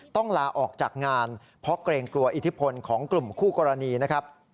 ต้องลาออกจากงานเพราะเกรงกลัวอิทธิพลของกลุ่มคู่กรณีนะครับ